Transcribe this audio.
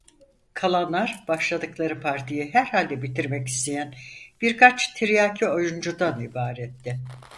Kalanlar başladıkları partiyi herhalde bitirmek isteyen birkaç tiryaki oyuncudan ibaretti.